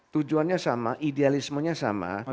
tujuannya sama idealismenya sama